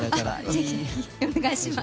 ぜひぜひ、お願いします。